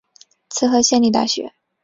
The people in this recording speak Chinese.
滋贺县立大学